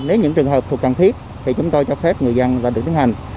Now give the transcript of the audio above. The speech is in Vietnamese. nếu những trường hợp thuộc cần thiết thì chúng tôi cho phép người dân là được tiến hành